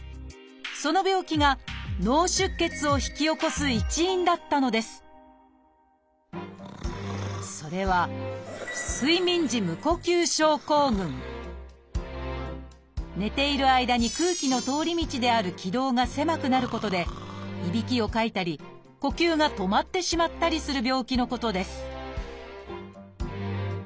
その病気が脳出血を引き起こす一因だったのですそれは寝ている間に空気の通り道である気道が狭くなることでいびきをかいたり呼吸が止まってしまったりする病気のことです